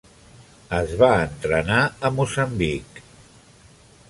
Es va entrenar a Moçambic.